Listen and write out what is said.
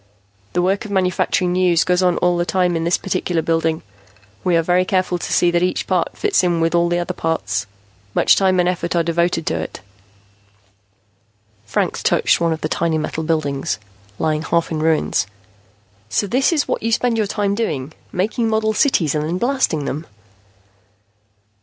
The work of manufacturing news goes on all the time in this particular building. We are very careful to see that each part fits in with all the other parts. Much time and effort are devoted to it." Franks touched one of the tiny model buildings, lying half in ruins. "So this is what you spend your time doing making model cities and then blasting them."